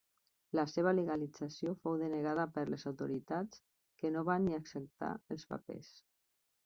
La seva legalització fou denegada per les autoritats que no van ni acceptar els papers.